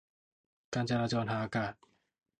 การจราจรทางอากาศ